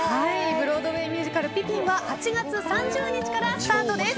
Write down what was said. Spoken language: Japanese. ブロードウェーミュージカル「ピピン」は８月３０日からスタートです。